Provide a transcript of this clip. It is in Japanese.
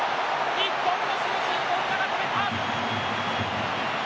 日本の守護神、権田が止めた。